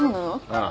ああ。